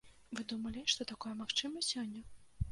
Вы думалі, што такое магчыма сёння?